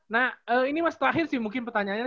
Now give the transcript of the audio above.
nah ini mas terakhir sih mungkin pertanyaannya